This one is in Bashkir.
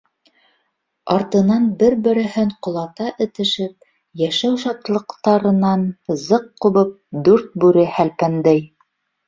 Артынан бер-береһен ҡолата этешеп, йәшәү шатлыҡтарынан зыҡ ҡубып, дүрт бүре һәлпәндәй.